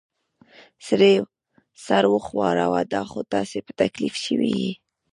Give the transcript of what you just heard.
سړي سر وښوراوه: دا خو تاسې په تکلیف شوي ییۍ.